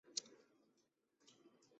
授翰林院编修。